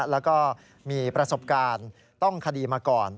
แล้วก็มีประสบการณ์ต้องคดีมาก่อน